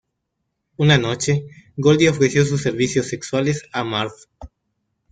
Una noche, Goldie ofreció sus servicios sexuales a Marv.